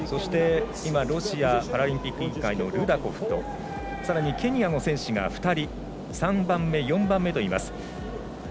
ロシアパラリンピック委員会のルダコフとさらにケニアの選手が２人３番目、４番目といます。